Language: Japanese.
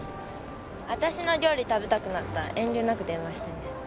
わたしの料理食べたくなったら遠慮なく電話してね。